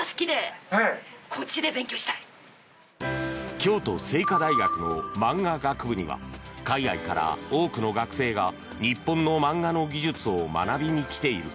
京都精華大学のマンガ学部には海外から多くの学生が日本の漫画の技術を学びに来ている。